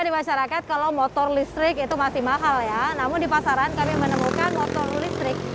di masyarakat kalau motor listrik itu masih mahal ya namun di pasaran kami menemukan motor listrik